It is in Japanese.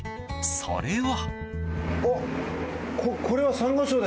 それは。